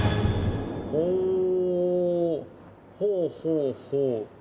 ほうほうほうほう。